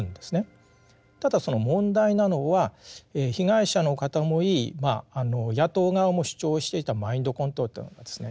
ただその問題なのは被害者の方も言い野党側も主張していたマインドコントロールというのがですね